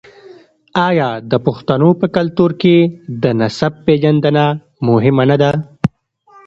آیا د پښتنو په کلتور کې د نسب پیژندنه مهمه نه ده؟